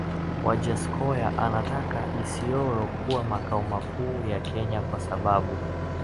Wajackoya anataka Isiolo kuwa makao makuu ya Kenya kwa sababu